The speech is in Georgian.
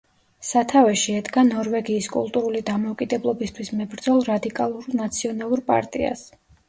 სათავეში ედგა ნორვეგიის კულტურული დამოუკიდებლობისთვის მებრძოლ რადიკალურ ნაციონალურ პარტიას.